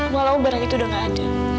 walau barang itu udah gak ada